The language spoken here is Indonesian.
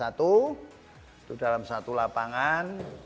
itu dalam satu lapangan